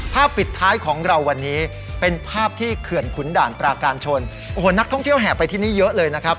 ปิดท้ายของเราวันนี้เป็นภาพที่เขื่อนขุนด่านปราการชนโอ้โหนักท่องเที่ยวแห่ไปที่นี่เยอะเลยนะครับ